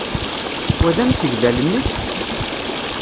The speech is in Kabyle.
Wa d amsegdal-nnek?